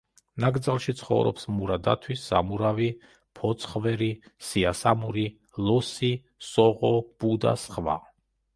ნაკრძალში ცხოვრობს მურა დათვი, სამურავი, ფოცხვერი, სიასამური, ლოსი, სოღო, ბუ და სხვა.